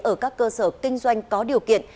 ở các cơ sở kinh doanh có điều kiện